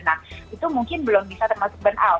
nah itu mungkin belum bisa termasuk burnout